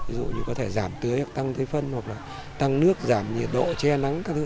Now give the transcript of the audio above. ví dụ như có thể giảm tưới hoặc tăng thuế phân hoặc là tăng nước giảm nhiệt độ che nắng các thứ